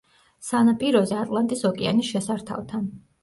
სანაპიროზე, ატლანტის ოკეანის შესართავთან.